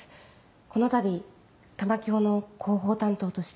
このたび玉響の広報担当として。